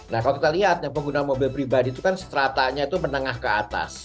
nah kalau kita lihat yang pengguna mobil pribadi itu kan stratanya itu menengah ke atas